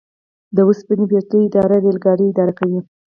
د اوسپنې پټلۍ اداره ریل ګاډي اداره کوي